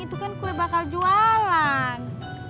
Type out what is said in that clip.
itu kan kue bakal jualan